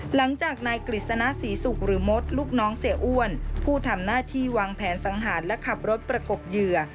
หลังจากนายกฤษณะศรีศุกร์หรือมดลูกน้องเสียอ้วนผู้ทำหน้าที่วางแผนสังหารและขับรถประกบเหยื่อ